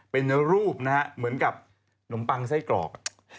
เป็นรูปนะฮะเหมือนกับนมปังไส้กรอก